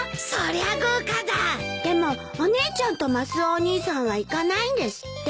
でもお姉ちゃんとマスオお兄さんは行かないんですって。